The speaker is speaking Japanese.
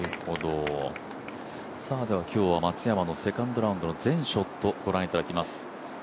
今日は松山のセカンドラウンドの全ショットをご覧いただきます。